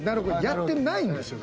やってないんですよ。